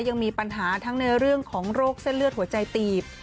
ยังมีปัญหาทั้งในเรื่องของโรคเส้นเลือดหัวใจตีบ